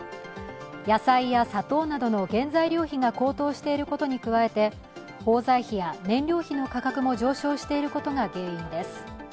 野菜や砂糖などの原材料費が高騰していることに加えて包材費や燃料費の価格も上昇していることが原因です。